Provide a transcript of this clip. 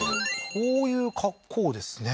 こういう格好ですね